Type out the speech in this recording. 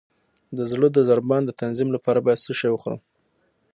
د زړه د ضربان د تنظیم لپاره باید څه شی وخورم؟